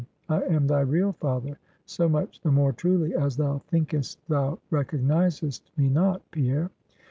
I am thy real father, so much the more truly, as thou thinkest thou recognizest me not, Pierre.